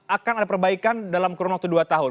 akan ada perbaikan dalam kurun waktu dua tahun